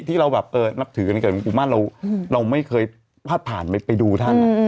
ที่เราแบบเออนับถือกันกับหลุงปู่มั่นเราอืมเราไม่เคยพาดผ่านไปไปดูท่าน